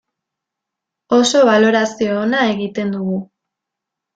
Oso balorazio ona egiten dugu.